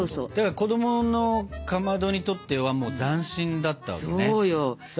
子供のかまどにとってはもう斬新だったわけだ。